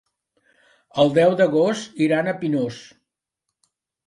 El deu d'agost iran a Pinós.